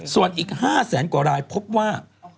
ส่วนอีก๕แสนกว่ารายพบว่า